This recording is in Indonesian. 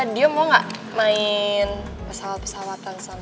dio mau gak main pesawat pesawat sama kareva